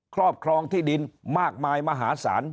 ครอบครองที่ดินมากมายมหาศาล